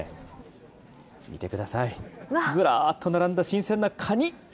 見てください、ずらっと並んだ新鮮なカニ。